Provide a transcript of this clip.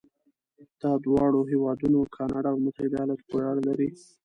دا د دواړو هېوادونو کانادا او متحده ایالاتو پورې اړه لري.